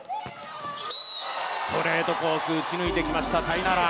ストレートコース、打ち抜いてきました、タイナラ。